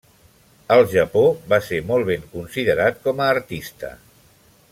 Al Japó va ser molt ben considerat com a artista.